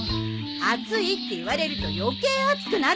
暑いって言われると余計暑くなるのよ。